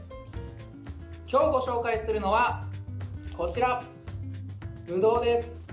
今日ご紹介するのはこちら、ぶどうです。